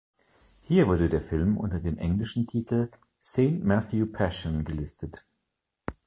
Hier wurde der Film unter dem englischen Titel "Saint Matthew Passion" gelistet.